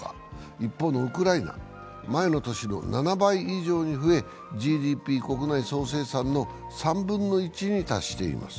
一方、ウクライナは前の年の７倍以上に増えＧＤＰ＝国内総生産の３分の１に達しています。